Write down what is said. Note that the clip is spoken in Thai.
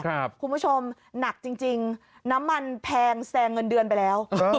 ครับคุณผู้ชมหนักจริงน้ำมันแพงแสงเงินเดือนไปแล้ว